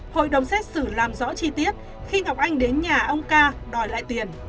hội đồng xét xử làm rõ chi tiết khi ngọc anh đến nhà ông ca đòi lại tiền